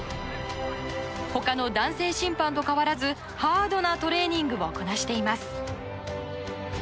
他の男性審判と変わらずハードなトレーニングをこなしています。